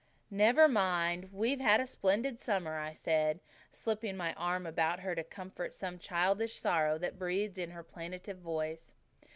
"Never mind, we've had a splendid summer," I said, slipping my arm about her to comfort some childish sorrow that breathed in her plaintive voice.